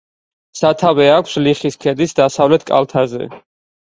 სათავე აქვს ლიხის ქედის დასავლეთ კალთაზე.